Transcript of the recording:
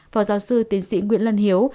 phó giáo sư tiến sĩ nguyễn lân hiếu